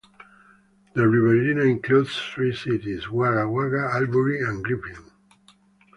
The Riverina includes three cities; Wagga Wagga, Albury and Griffith.